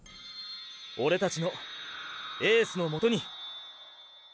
オレたちのエースのもとに！